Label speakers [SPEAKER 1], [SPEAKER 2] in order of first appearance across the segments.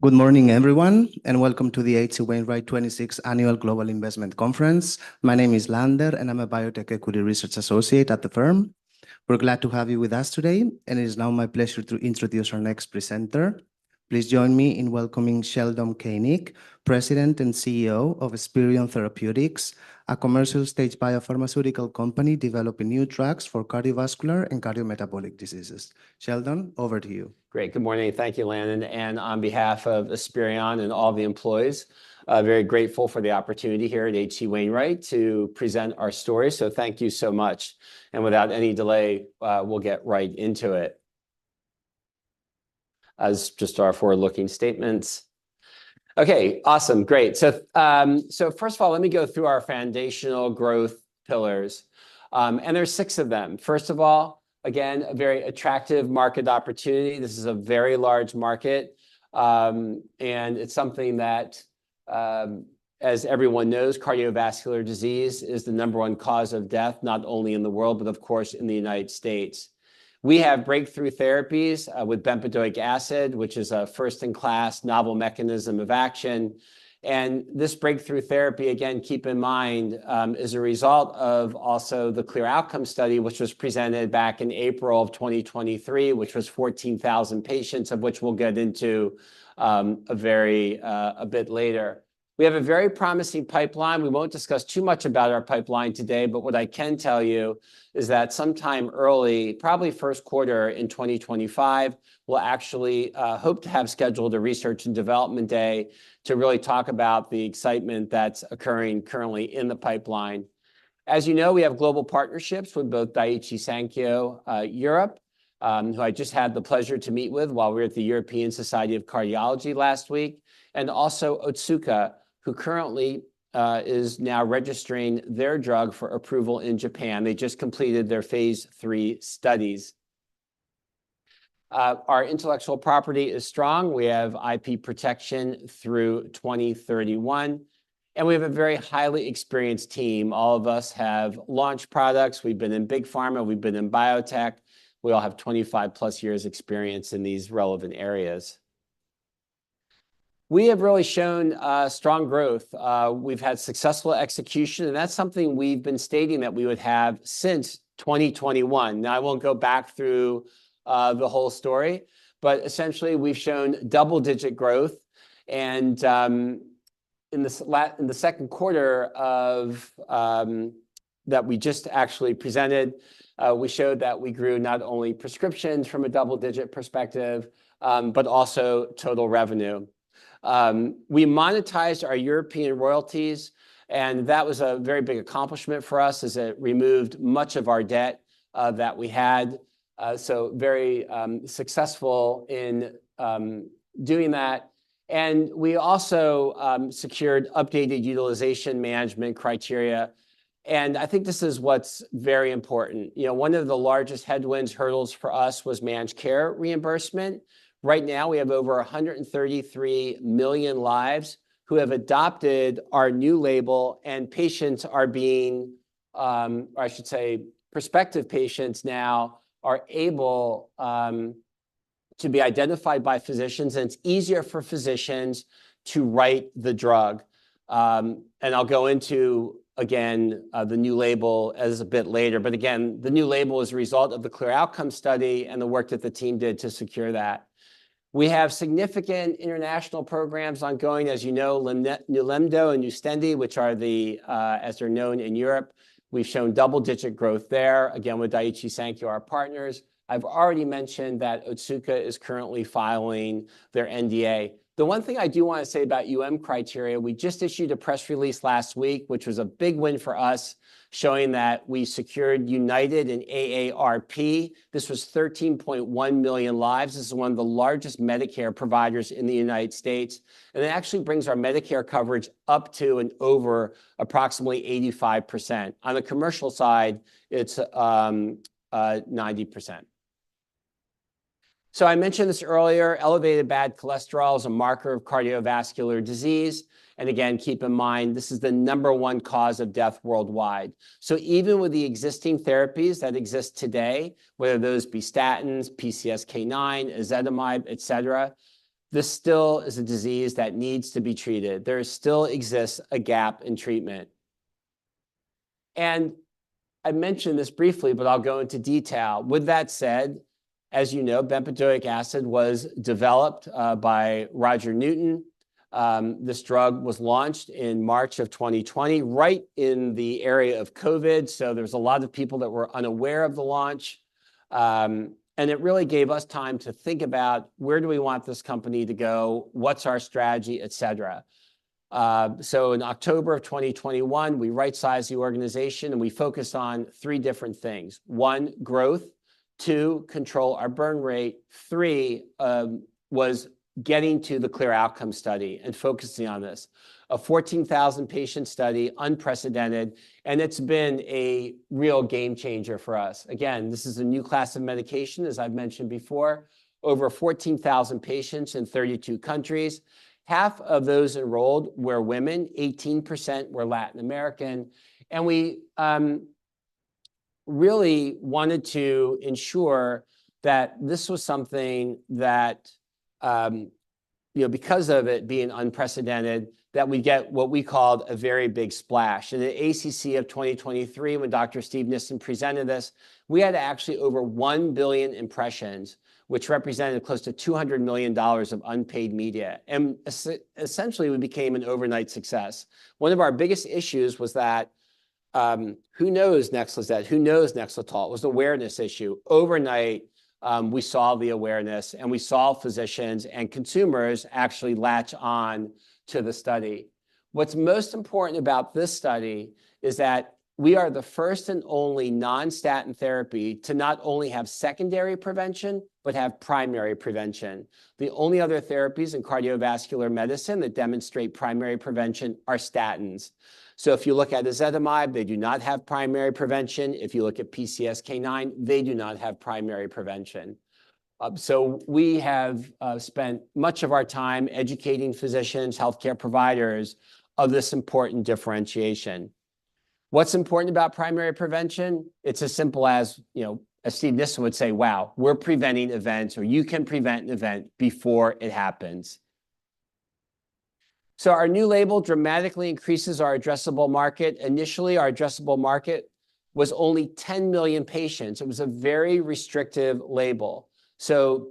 [SPEAKER 1] Good morning, everyone, and welcome to the H.C. Wainwright twenty-sixth Annual Global Investment Conference. My name is Landon, and I'm a biotech equity research associate at the firm. We're glad to have you with us today, and it is now my pleasure to introduce our next presenter. Please join me in welcoming Sheldon Koenig, President and CEO of Esperion Therapeutics, a commercial-stage biopharmaceutical company developing new drugs for cardiovascular and cardiometabolic diseases. Sheldon, over to you.
[SPEAKER 2] Great. Good morning, and thank you, Landon, and on behalf of Esperion and all the employees, very grateful for the opportunity here at H.C. Wainwright to present our story. So thank you so much, and without any delay, we'll get right into it. Okay, awesome. Great. So first of all, let me go through our foundational growth pillars, and there's six of them. First of all, again, a very attractive market opportunity. This is a very large market, and it's something that, as everyone knows, cardiovascular disease is the number one cause of death, not only in the world, but of course, in the United States. We have breakthrough therapies with bempedoic acid, which is a first-in-class novel mechanism of action. And this breakthrough therapy, again, keep in mind, is a result of also the CLEAR Outcomes study, which was presented back in April of 2023, which was 14,000 patients, of which we'll get into a bit later. We have a very promising pipeline. We won't discuss too much about our pipeline today, but what I can tell you is that sometime early, probably first quarter in 2025, we'll actually hope to have scheduled a research and development day to really talk about the excitement that's occurring currently in the pipeline. As you know, we have global partnerships with both Daiichi Sankyo, Europe, who I just had the pleasure to meet with while we were at the European Society of Cardiology last week, and also Otsuka, who currently is now registering their drug for approval in Japan. They just completed their phase III studies. Our intellectual property is strong. We have IP protection through 2031, and we have a very highly experienced team. All of us have launched products. We've been in big pharma, we've been in biotech. We all have 25-plus years experience in these relevant areas. We have really shown strong growth. We've had successful execution, and that's something we've been stating that we would have since 2021. Now, I won't go back through the whole story, but essentially, we've shown double-digit growth and in the second quarter of that we just actually presented, we showed that we grew not only prescriptions from a double-digit perspective, but also total revenue. We monetized our European royalties, and that was a very big accomplishment for us, as it removed much of our debt that we had. So very successful in doing that. And we also secured updated utilization management criteria, and I think this is what's very important. You know, one of the largest headwinds, hurdles for us was managed care reimbursement. Right now, we have over 133 million lives who have adopted our new label, and patients are being or I should say, prospective patients now are able to be identified by physicians, and it's easier for physicians to write the drug. And I'll go into, again, the new label a bit later. But again, the new label is a result of the CLEAR Outcomes study and the work that the team did to secure that. We have significant international programs ongoing. As you know, Nilemdo and Nustendi, which are the, as they're known in Europe. We've shown double-digit growth there, again, with Daiichi Sankyo, our partners. I've already mentioned that Otsuka is currently filing their NDA. The one thing I do want to say about UM criteria, we just issued a press release last week, which was a big win for us, showing that we secured United and AARP. This was 13.1 million lives. This is one of the largest Medicare providers in the United States, and it actually brings our Medicare coverage up to and over approximately 85%. On the commercial side, it's 90%. So I mentioned this earlier, elevated bad cholesterol is a marker of cardiovascular disease. And again, keep in mind, this is the number one cause of death worldwide. So even with the existing therapies that exist today, whether those be statins, PCSK9, ezetimibe, et cetera, this still is a disease that needs to be treated. There still exists a gap in treatment. And I mentioned this briefly, but I'll go into detail. With that said, as you know, bempedoic acid was developed by Roger Newton. This drug was launched in March of 2020, right in the area of COVID, so there was a lot of people that were unaware of the launch. And it really gave us time to think about, where do we want this company to go? What's our strategy, et cetera? So in October of 2021, we rightsized the organization, and we focused on three different things. One, growth. Two, control our burn rate. Three, was getting to the CLEAR Outcomes study and focusing on this. A 14,000-patient study, unprecedented, and it's been a real game changer for us. Again, this is a new class of medication, as I've mentioned before. Over 14,000 patients in 32 countries. Half of those enrolled were women, 18% were Latin American, and we really wanted to ensure that this was something that, you know, because of it being unprecedented, that we get what we called a very big splash, and at ACC 2023, when Dr. Steve Nissen presented this, we had actually over 1 billion impressions, which represented close to $200 million of unpaid media, and essentially, we became an overnight success. One of our biggest issues was that, who knows Nexlizet? Who knows Nexletol? It was an awareness issue. Overnight, we saw the awareness, and we saw physicians and consumers actually latch on to the study. What's most important about this study is that we are the first and only non-statin therapy to not only have secondary prevention, but have primary prevention. The only other therapies in cardiovascular medicine that demonstrate primary prevention are statins. If you look at ezetimibe, they do not have primary prevention. If you look at PCSK9, they do not have primary prevention. So we have spent much of our time educating physicians, healthcare providers, of this important differentiation. What's important about primary prevention? It's as simple as, you know, as Steve Nissen would say, "Wow, we're preventing events, or you can prevent an event before it happens." Our new label dramatically increases our addressable market. Initially, our addressable market was only 10 million patients. It was a very restrictive label.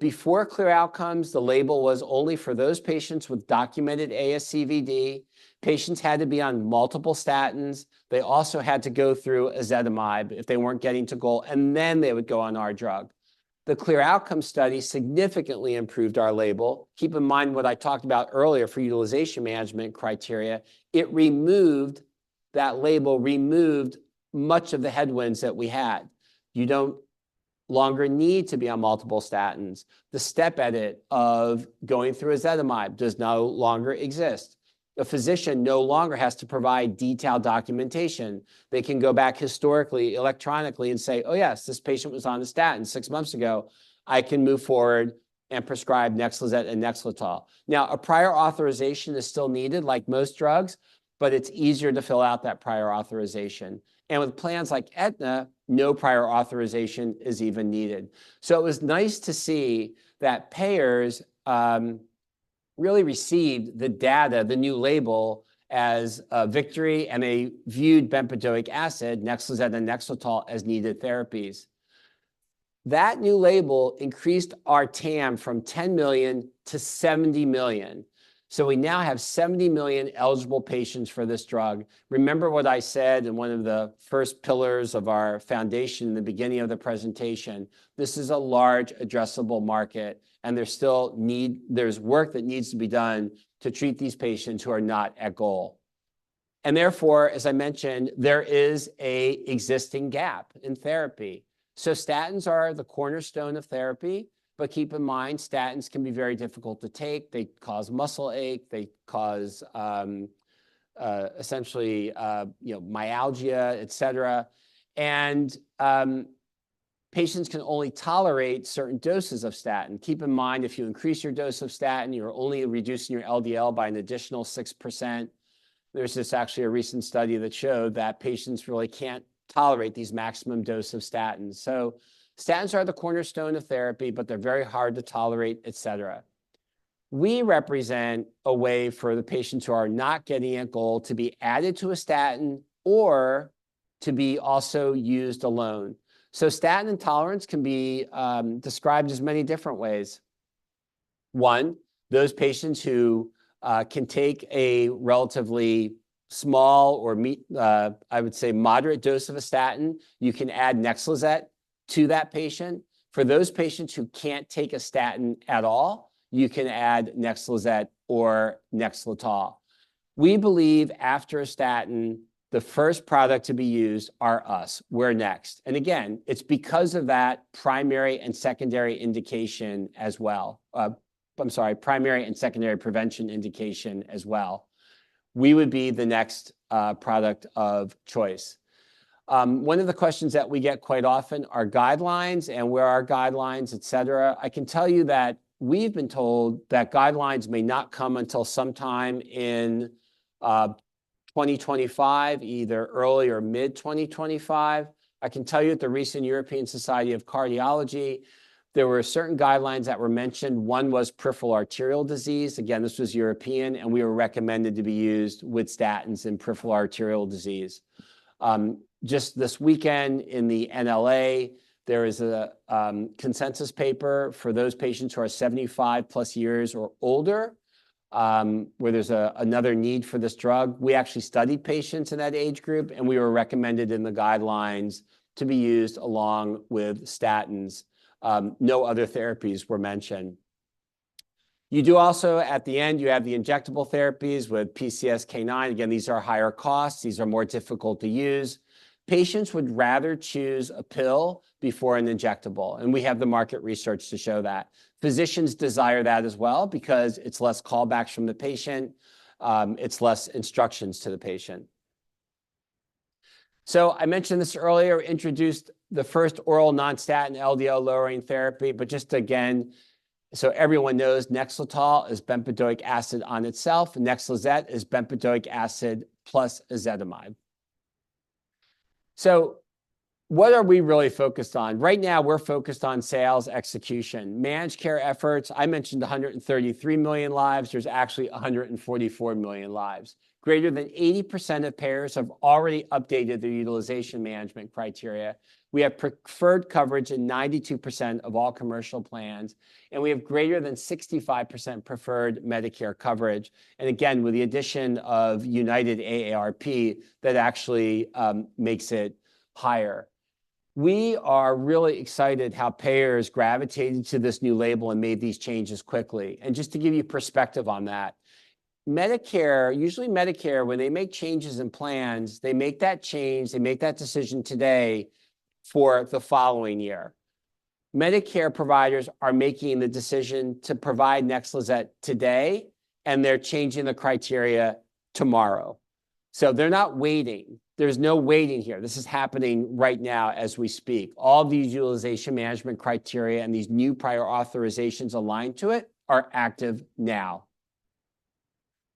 [SPEAKER 2] Before CLEAR Outcomes, the label was only for those patients with documented ASCVD. Patients had to be on multiple statins. They also had to go through ezetimibe if they weren't getting to goal, and then they would go on our drug. The CLEAR Outcomes study significantly improved our label. Keep in mind what I talked about earlier for utilization management criteria. That label removed much of the headwinds that we had. You no longer need to be on multiple statins. The step edit of going through ezetimibe does no longer exist. A physician no longer has to provide detailed documentation. They can go back historically, electronically, and say, "Oh, yes, this patient was on a statin six months ago. I can move forward and prescribe Nexlizet and Nexletol." Now, a prior authorization is still needed, like most drugs, but it's easier to fill out that prior authorization. With plans like Aetna, no prior authorization is even needed. It was nice to see that payers really received the data, the new label, as a victory, and they viewed bempedoic acid, Nexlizet and Nexletol, as needed therapies. That new label increased our TAM from 10 million to 70 million. We now have 70 million eligible patients for this drug. Remember what I said in one of the first pillars of our foundation in the beginning of the presentation, this is a large addressable market, and there's work that needs to be done to treat these patients who are not at goal. Therefore, as I mentioned, there is a existing gap in therapy. Statins are the cornerstone of therapy, but keep in mind, statins can be very difficult to take. They cause muscle ache, they cause essentially, you know, myalgia, et cetera. Patients can only tolerate certain doses of statin. Keep in mind, if you increase your dose of statin, you're only reducing your LDL by an additional 6%. There's actually a recent study that showed that patients really can't tolerate these maximum dose of statins. So statins are the cornerstone of therapy, but they're very hard to tolerate, et cetera. We represent a way for the patients who are not getting at goal to be added to a statin or to be also used alone. So statin intolerance can be described as many different ways. One, those patients who can take a relatively small or, I would say, moderate dose of a statin, you can add Nexlizet to that patient. For those patients who can't take a statin at all, you can add Nexlizet or Nexletol. We believe after a statin, the first product to be used are us, we're next. And again, it's because of that primary and secondary indication as well. I'm sorry, primary and secondary prevention indication as well. We would be the next product of choice. One of the questions that we get quite often are guidelines and where are guidelines, et cetera. I can tell you that we've been told that guidelines may not come until sometime in 2025, either early or mid-2025. I can tell you at the recent European Society of Cardiology, there were certain guidelines that were mentioned. One was peripheral arterial disease. Again, this was European, and we were recommended to be used with statins in peripheral arterial disease. Just this weekend in the NLA, there is a consensus paper for those patients who are seventy-five plus years or older, where there's another need for this drug. We actually studied patients in that age group, and we were recommended in the guidelines to be used along with statins. No other therapies were mentioned. You do also, at the end, you have the injectable therapies with PCSK9. Again, these are higher costs. These are more difficult to use. Patients would rather choose a pill before an injectable, and we have the market research to show that. Physicians desire that as well because it's less callbacks from the patient, it's less instructions to the patient. So I mentioned this earlier, introduced the first oral non-statin, LDL-lowering therapy. But just again. So everyone knows Nexletol is bempedoic acid on itself, and Nexlizet is bempedoic acid plus ezetimibe. So what are we really focused on? Right now, we're focused on sales execution. Managed care efforts, I mentioned a hundred and thirty-three million lives. There's actually a hundred and forty-four million lives. Greater than 80% of payers have already updated their utilization management criteria. We have preferred coverage in 92% of all commercial plans, and we have greater than 65% preferred Medicare coverage. And again, with the addition of United AARP, that actually makes it higher. We are really excited how payers gravitated to this new label and made these changes quickly. And just to give you perspective on that, Medicare, usually Medicare, when they make changes in plans, they make that change, they make that decision today for the following year. Medicare providers are making the decision to provide Nexlizet today, and they're changing the criteria tomorrow. So they're not waiting. There's no waiting here. This is happening right now as we speak. All the utilization management criteria and these new prior authorizations aligned to it are active now.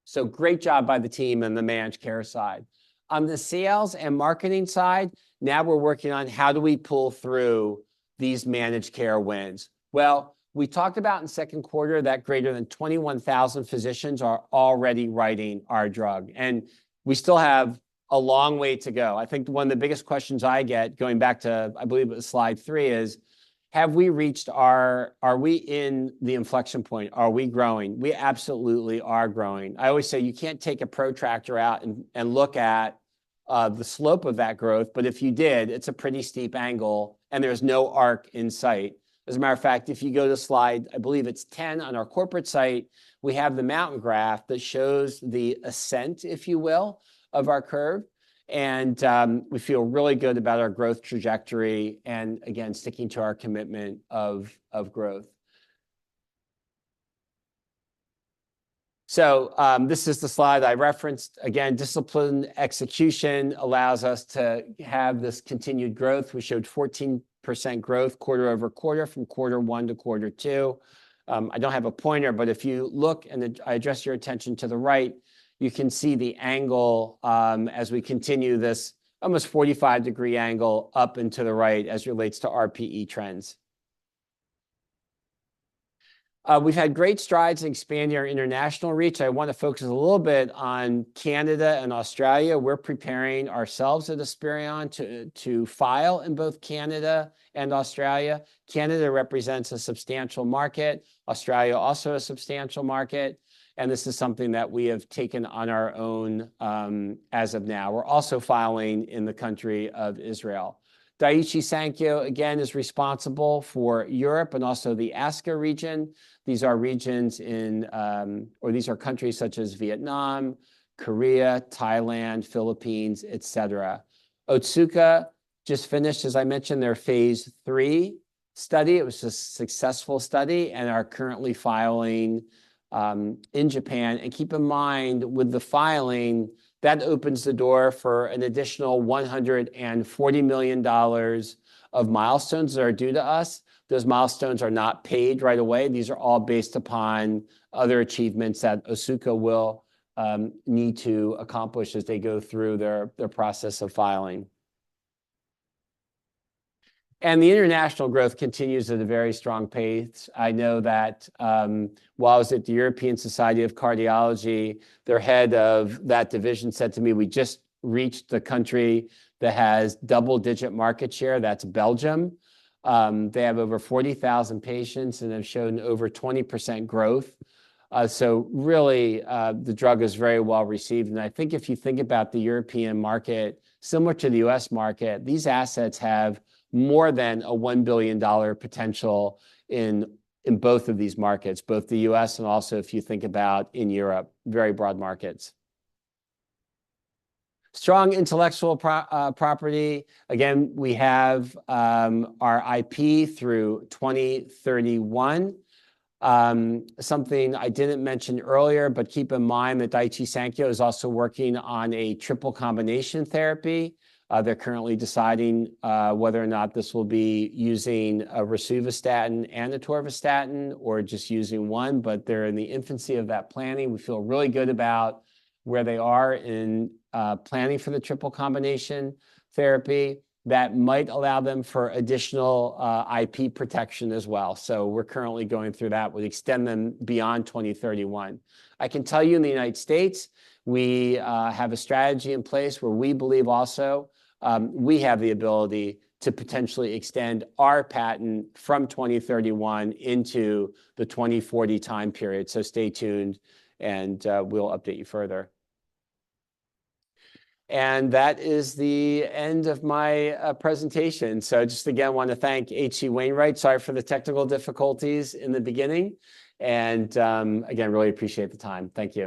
[SPEAKER 2] So great job by the team on the managed care side. On the sales and marketing side, now we're working on how do we pull through these managed care wins? Well, we talked about in second quarter that greater than twenty-one thousand physicians are already writing our drug, and we still have a long way to go. I think one of the biggest questions I get, going back to, I believe, slide three, is: Have we reached our... Are we in the inflection point? Are we growing? We absolutely are growing. I always say you can't take a protractor out and look at the slope of that growth, but if you did, it's a pretty steep angle and there's no arc in sight. As a matter of fact, if you go to slide 10 on our corporate site, we have the mountain graph that shows the ascent, if you will, of our curve, and we feel really good about our growth trajectory and again, sticking to our commitment of growth, so this is the slide I referenced. Again, disciplined execution allows us to have this continued growth. We showed 14% growth quarter over quarter from quarter one to quarter two. I don't have a pointer, but if you look and I address your attention to the right, you can see the angle, as we continue this almost 45-degree angle up and to the right as relates to RPE trends. We've had great strides in expanding our international reach. I wanna focus a little bit on Canada and Australia. We're preparing ourselves at Esperion to file in both Canada and Australia. Canada represents a substantial market, Australia also a substantial market, and this is something that we have taken on our own, as of now. We're also filing in the country of Israel. Daiichi Sankyo, again, is responsible for Europe and also the ASCA region. These are regions in, or these are countries such as Vietnam, Korea, Thailand, Philippines, et cetera. Otsuka just finished, as I mentioned, their phase three study. It was a successful study and are currently filing in Japan. And keep in mind, with the filing, that opens the door for an additional $140 million of milestones that are due to us. Those milestones are not paid right away. These are all based upon other achievements that Otsuka will need to accomplish as they go through their process of filing. And the international growth continues at a very strong pace. I know that, while I was at the European Society of Cardiology, their head of that division said to me, "We just reached the country that has double-digit market share." That's Belgium. They have over 40,000 patients, and they've shown over 20% growth. So really, the drug is very well received, and I think if you think about the European market, similar to the U.S. market, these assets have more than $1 billion potential in both of these markets, both the U.S. and also if you think about in Europe, very broad markets. Strong intellectual property. Again, we have our IP through 2031. Something I didn't mention earlier, but keep in mind that Daiichi Sankyo is also working on a triple combination therapy. They're currently deciding whether or not this will be using a rosuvastatin and atorvastatin or just using one, but they're in the infancy of that planning. We feel really good about where they are in planning for the triple combination therapy. That might allow them for additional IP protection as well. So we're currently going through that. We extend them beyond 2031. I can tell you, in the United States, we have a strategy in place where we believe also we have the ability to potentially extend our patent from 2031 into the 2040 time period. So stay tuned, and we'll update you further. And that is the end of my presentation. So just again, I wanna thank H.C. Wainwright. Sorry for the technical difficulties in the beginning, and again, really appreciate the time. Thank you.